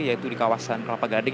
yaitu di kawasan rapa gadeg